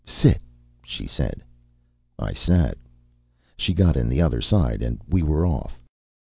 "Sit," she said. I sat. She got in the other side and we were off.